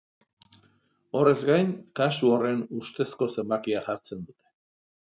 Horrez gain, kasu horren ustezko zenbakia jartzen dute.